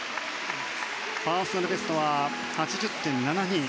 パーソナルベストは８０．７２。